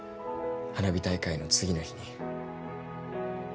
花火大会の次の日に。